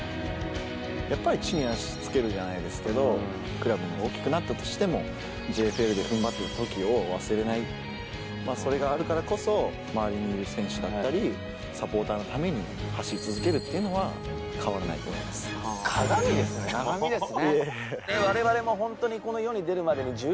やっぱり地に足つけるじゃないですけど、クラブが大きくなったとしても、ＪＦＬでふんばっていたときを忘れない、それがあるからこそ、周りにいる選手だったり、サポーターのために走り続けるっていうのは、変わらないと思いまかがみですね。